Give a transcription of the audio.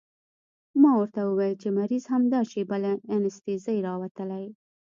ما ورته وويل چې مريض همدا شېبه له انستيزۍ راوتلى.